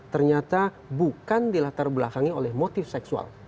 ternyata bukan dilatar belakangi oleh motif seksual